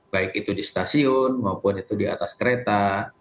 baik itu di stasiun maupun itu di atas kereta